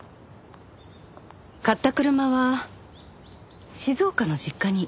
買った車は静岡の実家に。